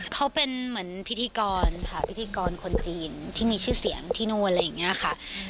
เขาเป็นเหมือนพิธีกรค่ะพิธีกรคนจีนที่มีชื่อเสียงที่นู่นอะไรอย่างนี้ค่ะ